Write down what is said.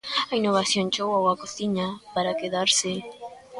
A innovación chegou á cociña para quedarse.